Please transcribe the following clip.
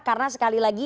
karena sekali lagi